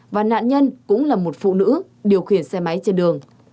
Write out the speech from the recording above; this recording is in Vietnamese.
và nạn nhân cũng là một phụ nữ điều khiển xe máy trên đường